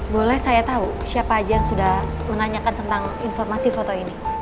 boleh saya tahu siapa aja yang sudah menanyakan tentang informasi foto ini